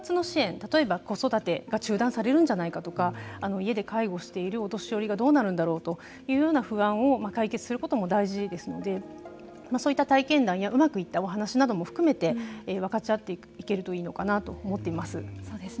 例えば子育てが中断されるんじゃないかとか家で介護しているお年寄りがどうなるんだろうというような不安を解決することも大事ですのでそういった体験談やうまくいったお話なども含めて分かち合っていけるとそうですね